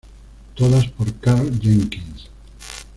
Todas por Karl Jenkins.